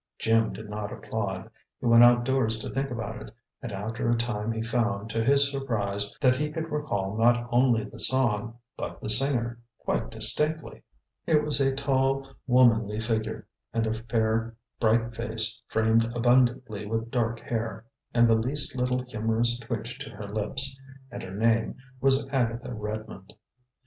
Jim did not applaud. He went outdoors to think about it; and after a time he found, to his surprise, that he could recall not only the song, but the singer, quite distinctly. It was a tall, womanly figure, and a fair, bright face framed abundantly with dark hair, and the least little humorous twitch to her lips. And her name was Agatha Redmond.